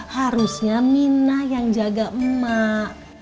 harusnya mina yang jaga emak